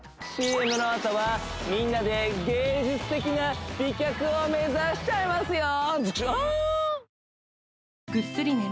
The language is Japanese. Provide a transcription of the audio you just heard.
ＣＭのあとはみんなで芸術的な美脚を目指しちゃいますよ